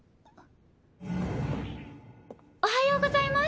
おはようございます。